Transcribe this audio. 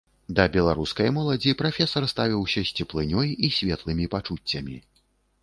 Да беларускай моладзі прафесар ставіўся з цеплынёй і светлымі пачуццямі.